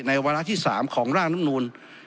ในวันที่๓ของร่างรับนูล